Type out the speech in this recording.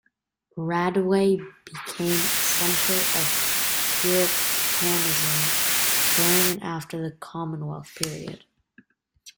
Radway became a centre of Puritanism during and after the Commonwealth period.